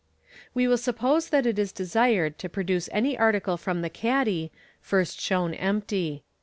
We will suppose that it is desired to produce any article from the caddy, first shown empty.